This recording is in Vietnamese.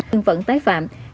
nhân phẩm tái phạm